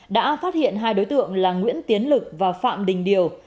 đã phát hiện hai đối tượng là nguyễn tiến lực và phạm đình điều